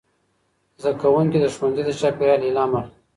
زدهکوونکي د ښوونځي د چاپېرياله الهام اخلي.